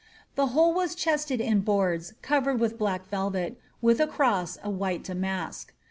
The whole was chested in boards corered with black TeWet, with a cross of white damask.